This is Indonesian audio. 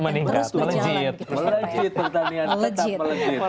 meningkat melejit melejit pertanian tetap melejit